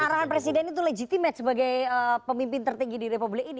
arahan presiden itu legitimate sebagai pemimpin tertinggi di republik ini